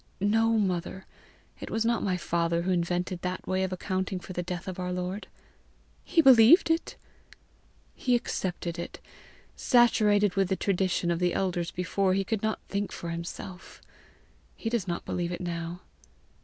"No, mother. It was not my father who invented that way of accounting for the death of our Lord." "He believed it!" "He accepted it, saturated with the tradition of the elders before he could think for himself. He does not believe it now."